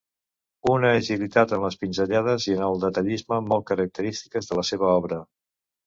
Una agilitat en les pinzellades i en el detallisme molt característics de la seva obra.